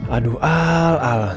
aduh al al